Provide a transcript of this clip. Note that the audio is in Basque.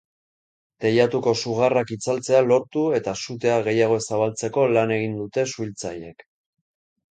Teilatuko sugarrak itzaltzea lortu eta sutea gehiago ez zabaltzeko lan egin dute suhitzaileek.